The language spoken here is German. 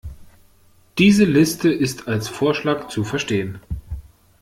Diese Liste ist als Vorschlag zu verstehen.